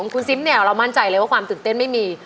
คุณซิมเนี่ยเรามั่นใจเลยว่าความตื่นเต้นไม่มี